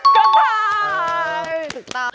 กระต่าย